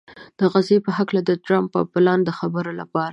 د غزې په هکله د ټرمپ پر پلان د خبرو لپاره